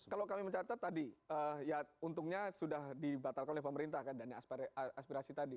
kalau kami mencatat tadi ya untungnya sudah dibatalkan oleh pemerintah kan dan aspirasi tadi